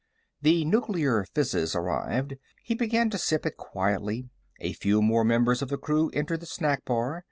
The nuclear fizzes arrived. He began to sip it quietly. A few more members of the crew entered the snack bar.